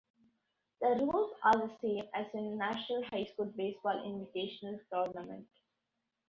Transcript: The rules are the same as in the National High School Baseball Invitational Tournament.